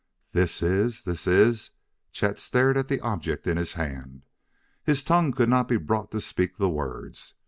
"This is this is " Chet stared at the object in his hand; his tongue could not be brought to speak the words.